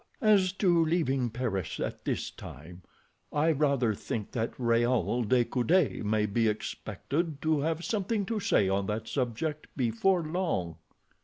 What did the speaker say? As to leaving Paris at this time, I rather think that Raoul de Coude may be expected to have something to say on that subject before long."